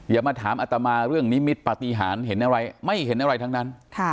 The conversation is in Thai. อย่ามาถามอัตมาเรื่องนิมิตปฏิหารเห็นอะไรไม่เห็นอะไรทั้งนั้น